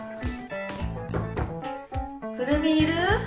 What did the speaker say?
くるみいる？